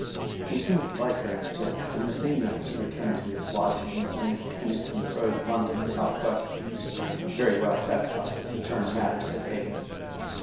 He seemed to like her answer, and the same night he returned to his lodgings in K nn ngt n R — d, L nd n, S. W., very well satisfied with the turn matters had taken.